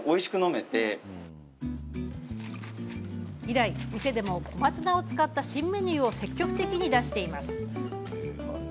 以来、店でも小松菜を使った新メニューを積極的に出しています。